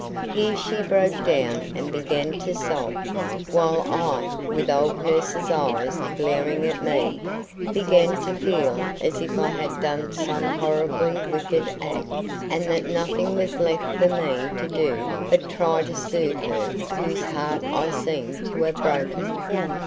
Here she broke down and began to sob, while I, with old nurse's eyes glaring at me, began to feel as if I had done some horribly wicked act, and that nothing was left for me to do but try to soothe her whose heart I seemed to have broken.